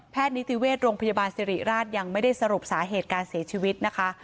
นิติเวชโรงพยาบาลสิริราชยังไม่ได้สรุปสาเหตุการเสียชีวิตนะคะ